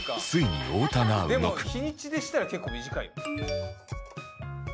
「でも日にちでしたら結構短いよ」